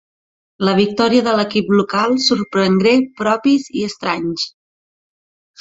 La victòria de l'equip local sorprengué propis i estranys.